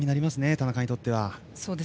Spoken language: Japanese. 田中にとっては。